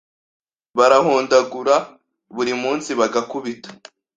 Barahondagura buri munsi bagakubita,